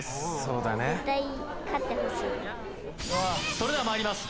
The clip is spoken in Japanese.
それではまいります